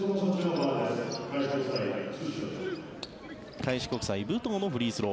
開志国際、武藤のフリースロー。